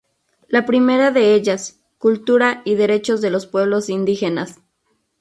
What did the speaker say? La primera de ellas: Cultura y Derechos de los Pueblos Indígenas.